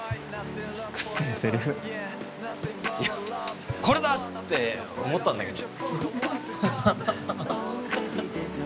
いやこれだ！って思ったんだけど。